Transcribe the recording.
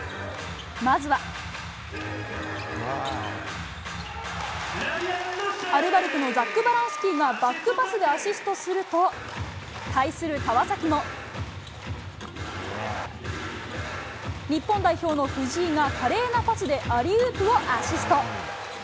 まずはアルバルクのザック・バランスキーがバックパスでアシストすると対する川崎も日本代表の藤井が、華麗なパスでアリウープをアシスト。